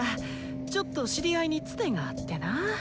ちょっと知り合いにツテがあってな。